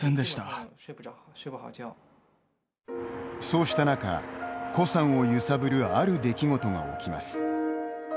そうした中、コさんを揺さぶるある出来事が起きます。